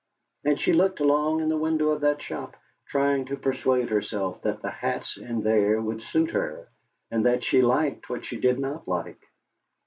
And she looked long in the window of that shop, trying to persuade herself that the hats in there would suit her, and that she liked what she did not like.